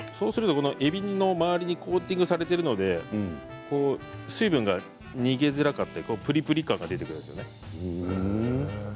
えびの周りにコーティングされているので水分が逃げづらかったりプリプリ感が出てくるんです。